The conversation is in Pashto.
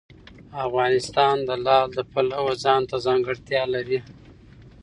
افغانستان د لعل د پلوه ځانته ځانګړتیا لري.